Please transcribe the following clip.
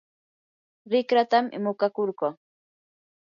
rikratam muqakurquu.